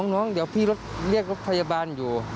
น้องเดี๋ยวพี่รถเรียกรถพยาบาลอยู่